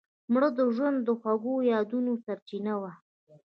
مړه د ژوند د خوږو یادونو سرچینه وه